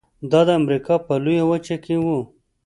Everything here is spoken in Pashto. دا د امریکا په لویه وچه کې و.